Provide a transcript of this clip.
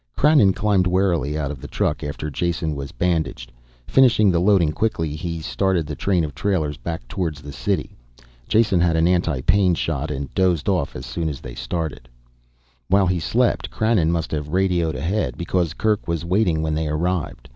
Krannon climbed warily out of the truck, after Jason was bandaged. Finishing the loading quickly, he started the train of trailers back towards the city. Jason had an anti pain shot and dozed off as soon as they started. While he slept, Krannon must have radioed ahead, because Kerk was waiting when they arrived.